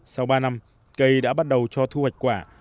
sau ba năm cây đã bắt đầu cho thu hoạch quả